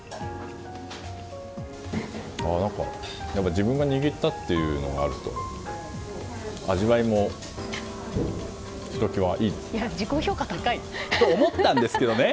自分が握ったというのがあると味わいも、ひと際いいです。と思ったんですけどね。